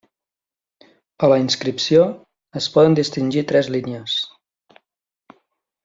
A la inscripció, es poden distingir tres línies.